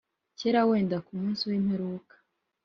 kereka wenda ku munsi w’imperuka